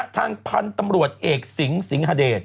ทางพันธุ์ตำรวจเอกสิงสิงหาเดช